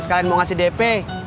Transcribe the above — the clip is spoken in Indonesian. sekalian mau ngasih dp